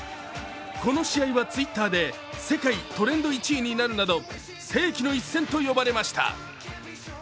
この試合はＴｗｉｔｔｅｒで世界トレンド１位になるなど世紀の一戦と呼ばれました。